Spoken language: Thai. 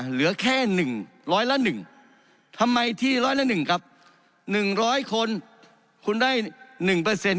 เหลือแค่หนึ่งร้อยละหนึ่งทำไมที่ร้อยละหนึ่งครับหนึ่งร้อยคนคุณได้หนึ่งเปอร์เซ็นต์